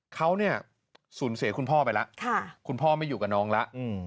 เขาเนี่ยสูญเสียคุณพ่อไปแล้วคุณพ่อไม่อยู่กับน้องแล้ว